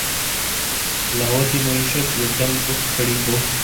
لاہور کی معیشت یکدم اٹھ کھڑی ہو۔